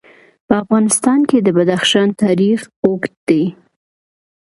په افغانستان کې د بدخشان تاریخ اوږد دی.